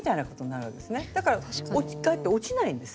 だからかえって落ちないんです。